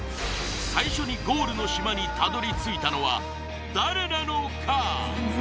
最初にゴールの島にたどりついたのは誰なのか？